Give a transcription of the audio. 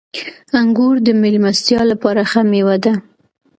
• انګور د میلمستیا لپاره ښه مېوه ده.